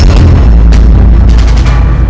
dia hendak kabur